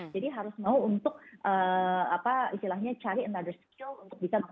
jadi harus mau untuk cari another skill